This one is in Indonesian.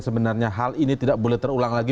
sebenarnya hal ini tidak boleh terulang lagi